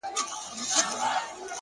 قدم اخله _ قدم کيږده _ قدم واخله _